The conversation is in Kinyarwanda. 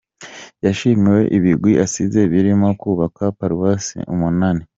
Yashimiwe ibigwi asize birimo kubaka paruwasi umunani.